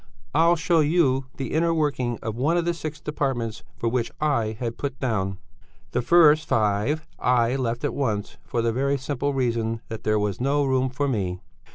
I'll show you the inner working of one of the six departments for which I had put down. The first five I left at once for the very simple reason that there was no room for me.